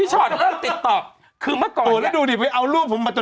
หรอ